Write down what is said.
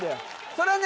それはね